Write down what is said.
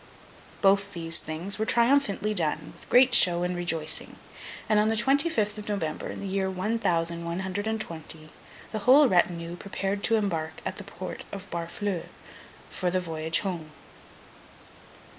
Both these things were triumphantly done, with great show and rejoicing; and on the twenty fifth of November, in the year one thousand one hundred and twenty, the whole retinue prepared to embark at the Port of Barfleur, for the voyage home.